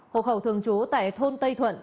hộ khẩu thường trú tại thôn tây thuận